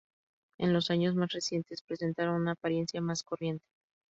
En los años más recientes presentaron una apariencia más corriente.